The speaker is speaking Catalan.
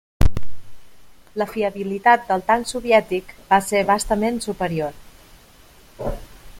La fiabilitat del tanc soviètic va ser bastament superior.